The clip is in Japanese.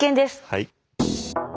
はい。